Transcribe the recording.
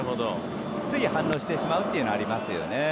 つい反応してしまうというのはありますよね。